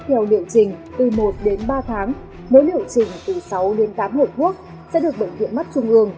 theo liệu trình từ một đến ba tháng mỗi liệu trình từ sáu đến tám hộp thuốc sẽ được bệnh viện mắt trung ương